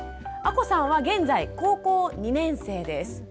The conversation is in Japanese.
亜子さんは現在高校２年生です。